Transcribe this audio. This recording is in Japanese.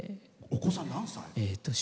お子さん何歳？